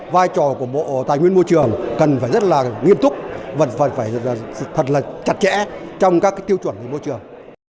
vai trò của bộ tài nguyên môi trường cần phải rất là nghiêm túc và phải thật là chặt chẽ trong các tiêu chuẩn về môi trường